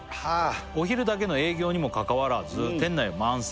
「お昼だけの営業にもかかわらず店内は満席」